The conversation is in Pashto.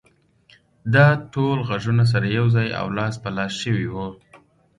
دا ټول غږونه سره يو ځای او لاس په لاس شوي وو.